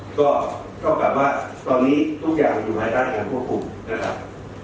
ก็เท่ากับว่าตอนนี้ทุกอย่างอยู่ภายใต้การควบคุมนะครับ